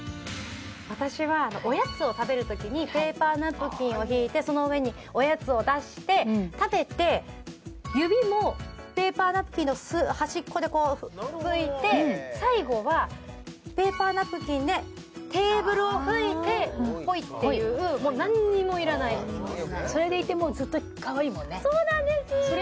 私はおやつを食べるときにペーパーナプキンをひいてその上におやつを出して食べて指もペーパーナプキンの端っこでこう拭いて最後はペーパーナプキンでテーブルを拭いてポイッていうもう何にもいらないそうなんです！